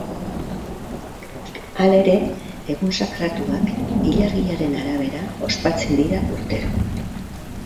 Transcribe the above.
Halere, egun sakratuak ilargiaren arabera ospatzen dira urtero.